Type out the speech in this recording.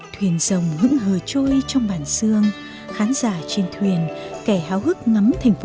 thuyền dòng những hờ trôi trong bản xương khán giả trên thuyền kẻ háo hức ngắm thành phố